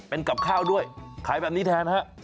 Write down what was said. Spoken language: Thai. เป็นกับข้าวด้วยขายแบบนี้แทนฮะ